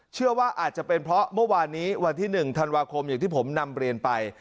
เชื่อว่าอาจจะเป็นเพราะเมื่อวานนี้วันที่๑ธันวาคมอย่างที่ผมนำเรียนไป